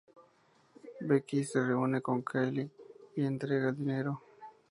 Becky se reúne con Kylie y le entrega el dinero.